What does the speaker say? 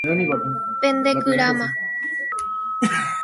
Pendekyráma.